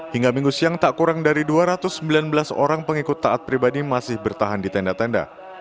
hingga minggu siang tak kurang dari dua ratus sembilan belas orang pengikut taat pribadi masih bertahan di tenda tenda